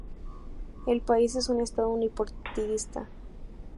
El país es un Estado unipartidista.